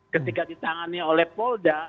ketika ditangani oleh polda